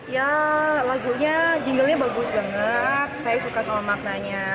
ya lagunya jinglenya bagus banget saya suka sama maknanya